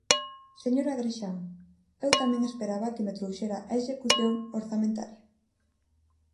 Señor Agrexán, eu tamén esperaba que me trouxera a execución orzamentaria.